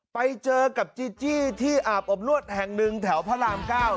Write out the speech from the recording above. ไปเจอกับจีจี้ที่อาบอบนวดแห่งหนึ่งแถวพระราม๙